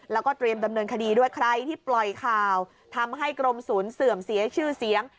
แล้วก็เตรียมดำเนินคดีด้วยใครที่ปล่อยข่าวทำให้กรมศูนย์เสื่อมเสียชื่อเสียง